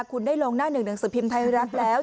คุณได้ลงหน้า๑๑๑๑สรุปพิมพิมพ์ภัยรักษ์แล้ว